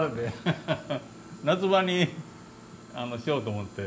夏場にしようと思って。